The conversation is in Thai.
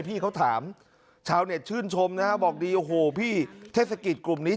พี่เขาถามชาวเน็ตชื่นชมนะฮะบอกดีโอ้โหพี่เทศกิจกลุ่มนี้